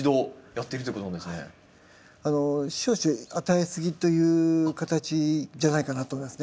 少々与えすぎという形じゃないかなと思いますね。